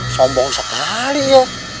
sombong sekali ya